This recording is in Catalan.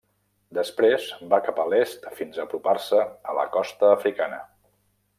Després, va cap a l'est fins a apropar-se a la costa africana.